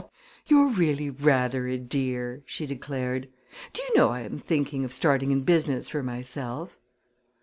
"You're really rather a dear!" she declared. "Do you know I am thinking of starting in business for myself?"